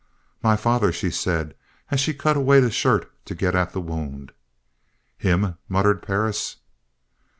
"My father," she said, as she cut away the shirt to get at the wound. "Him!" muttered Perris.